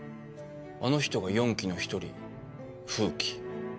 あの人が四鬼の一人風鬼。